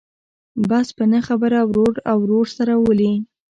بس په نه خبره ورور او ورور سره ولي.